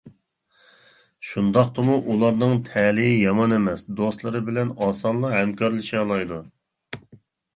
شۇنداقتىمۇ بۇلارنىڭ تەلىيى يامان ئەمەس، دوستلىرى بىلەن ئاسانلا ھەمكارلىشالايدۇ.